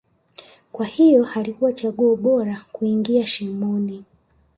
kwa hivyo alikuwa chaguo bora kuingia shimoni